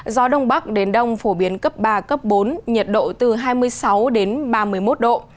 gió đông bắc đến đông phổ biến cấp ba cấp bốn nhiệt độ từ hai mươi sáu đến ba mươi một độ